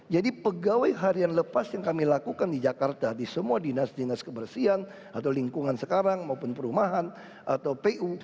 jadi pegawai harian lepas yang kami lakukan di jakarta di semua dinas dinas kebersihan atau lingkungan sekarang maupun perumahan atau pu